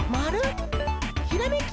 ひらめき！